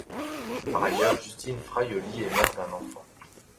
Par ailleurs, Justine Fraioli est mère d'un enfant.